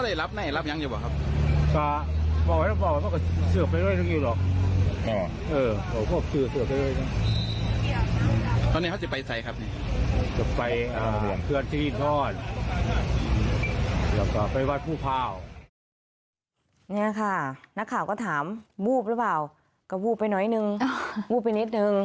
นี่ค่ะนักข่าวก็ถามวูบหรือเปล่าก็วูบไปหน่อยนึงวูบไปนิดนึง